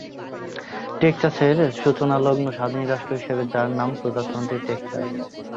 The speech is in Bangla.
টেক্সাসের সূচনালগ্ন স্বাধীন রাষ্ট্র হিসেবে যার নাম প্রজাতন্ত্রী টেক্সাস।